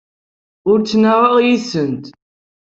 Ur ttnaɣeɣ yid-sent.